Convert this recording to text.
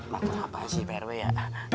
maksudnya apa sih pak rw ya